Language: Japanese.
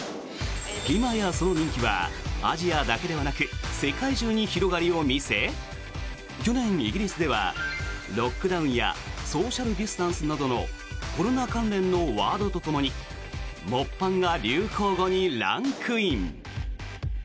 今やその人気はアジアだけではなく世界中に広がりを見せ去年、イギリスではロックダウンやソーシャル・ディスタンスなどのコロナ関連のワードとともにモッパンが流行語にランクイン。